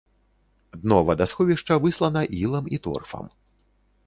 Дно вадасховішча выслана ілам і торфам.